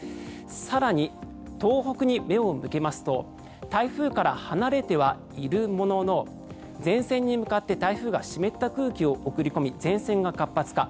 更に、東北に目を向けますと台風から離れてはいるものの前線に向かって台風が湿った空気を送り込み前線が活発化。